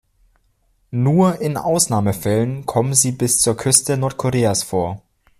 Nur in Ausnahmefällen kommen sie bis zur Küste Nordkoreas vor.